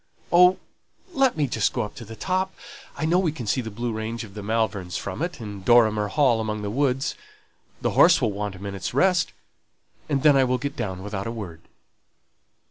"Oh, let me just go up to the top! I know we can see the blue range of the Malverns from it, and Dorrimer Hall among the woods; the horse will want a minute's rest, and then I will get down without a word."